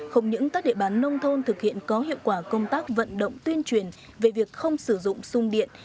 không những các địa bàn nông thôn thực hiện có hiệu quả công tác vận động tuyên truyền về việc không sử dụng sung điện